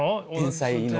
天才の。